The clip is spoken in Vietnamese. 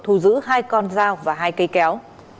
thu giữ hai con dao và hai cây kéo